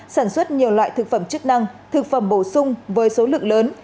sản xuất nhiều loại thực phẩm chức năng thực phẩm bổ sung với số lượng lớn